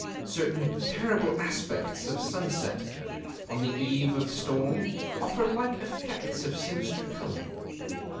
Certain terrible aspects of sunset, on the eve of storm, offer like effects of sinister color....